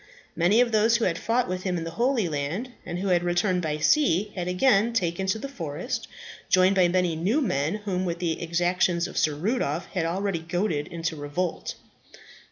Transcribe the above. Many of those who had fought with him in the Holy Land, and who had returned by sea, had again taken to the forest, joined by many new men whom the exactions of Sir Rudolph had already goaded into revolt.